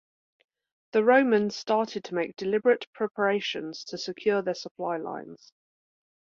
The Romans started to make deliberate preparations to secure their supply lines.